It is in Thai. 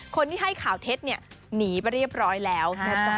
คนที่ให้ข่าวเท็จเนี่ยหนีไปเรียบร้อยแล้วนะจ๊ะ